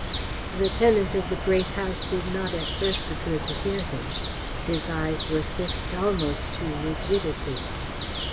The tenant of the Great House did not at first appear to hear him. His eyes were fixed almost to rigidity.